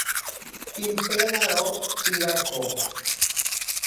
Pimpenaro pirako.